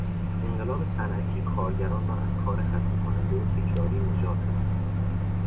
انقلاب صنعتی کارگران را از کار خسته کننده و تکراری نجات داد.